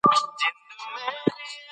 احمدشاه بابا پښتو ژبې ته خدمت کړی.